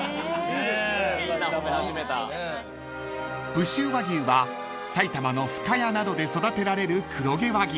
［武州和牛は埼玉の深谷などで育てられる黒毛和牛］